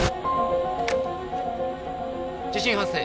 地震発生。